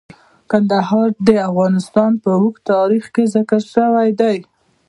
کندهار د افغانستان په اوږده تاریخ کې ذکر شوی دی.